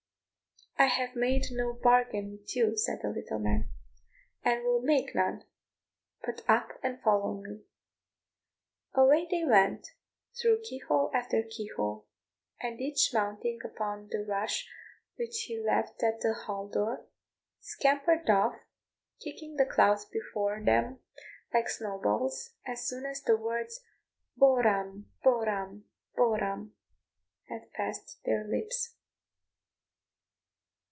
"I have made no bargain with you," said the little man, "and will make none; but up and follow me." Away they went, through key hole after key hole; and each mounting upon the rush which he left at the hall door, scampered off, kicking the clouds before them like snow balls, as soon as the words, "Borram, Borram, Borram," had passed their lips.